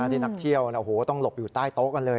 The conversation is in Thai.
ที่นักเที่ยวต้องหลบอยู่ใต้โต๊ะกันเลย